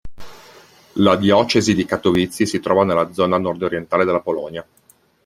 La Diocesi di Katowice si trova nella zona nordorientale della Polonia.